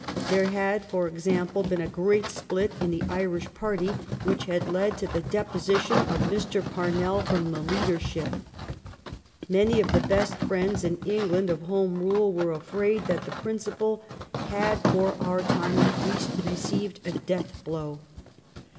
There had, for example, been a great split in the Irish party which had led to the deposition of Mr. Parnell from the leader ship. Many of the best friends in England of Home Rule were afraid that the principle had, for our time at least, received a death blow.